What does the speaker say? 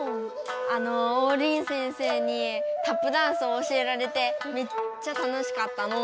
あのオウリン先生にタップダンスを教えられてめっちゃ楽しかったのう。